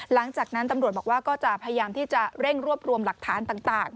หลังจากนั้นตำรวจบอกว่าก็จะพยายามที่จะเร่งรวบรวมหลักฐานต่าง